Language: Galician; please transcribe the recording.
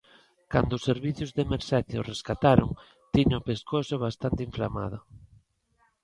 Cando os servizos de emerxencia o rescataron, tiña o pescozo bastante inflamado.